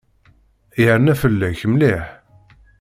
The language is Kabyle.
Yerna fell-ak mliḥ.